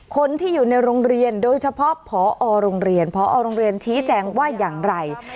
คนที่อยู่ในโรงเรียนโดยเฉพาะพอโรงเรียนพอโรงเรียนชี้แจงว่าอย่างไร